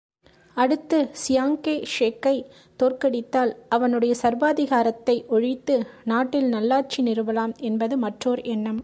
அடுத்து சியாங் கே ஷேக்கைத் தோற்கடித்தால் அவனுடைய சர்வாதிகாரத்தை ஒழித்து நாட்டில் நல்லாட்சி நிறுவலாம் என்பது மற்றோர் எண்ணம்.